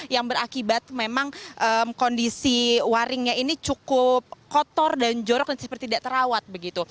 yang berakibat memang kondisi waringnya ini cukup kotor dan jorok dan seperti tidak terawat begitu